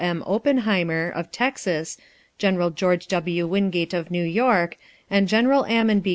M. Oppenheimer, of Texas; Gen. George W. Wingate, of New York, and Gen. Ammon B.